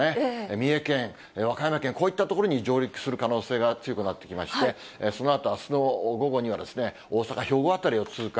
三重県、和歌山県、こういった所に上陸する可能性が強くなってきまして、そのあと、あすの午後には大阪、兵庫辺りを通過。